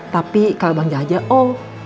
tapi kalau bang jajah o